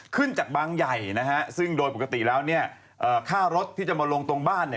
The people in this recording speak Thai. ขึ้นจากบางใหญ่นะฮะซึ่งโดยปกติแล้วเนี่ยเอ่อค่ารถที่จะมาลงตรงบ้านเนี่ย